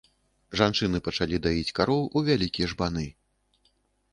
Жанчыны пачалі даіць кароў у вялікія жбаны.